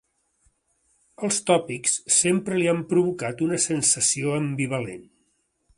Els tòpics sempre li han provocat una sensació ambivalent.